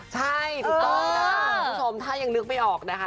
ใช่ถูกต้องนะคะคุณผู้ชมถ้ายังนึกไม่ออกนะคะ